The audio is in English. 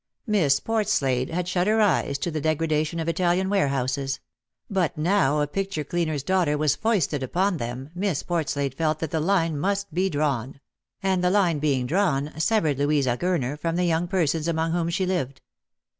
Miss Portslade had shut her eyes to the degradation of Italian warehouses ; but now a picture cleaner's daughter was foisted upon them, Miss Portslade felt that the line must be drawn ; and the line being drawn, severed Louisa Gurner from the young persons among whom she lived.